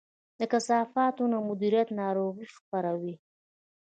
د کثافاتو نه مدیریت ناروغي خپروي.